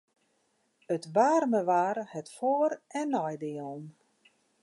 It waarme waar hat foar- en neidielen.